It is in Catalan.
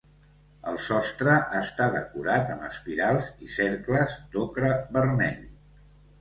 El sostre està decorat amb espirals i cercles d'ocre vermell.